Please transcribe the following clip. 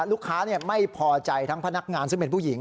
ลูกค้าไม่พอใจทั้งพนักงานซึ่งเป็นผู้หญิง